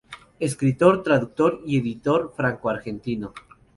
Escritor, traductor y editor franco-argentino.